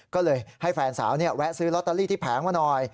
ก็เลยให้แฟนสาวแวะซื้อลอตเตอรี่ที่แผงมาหน่อย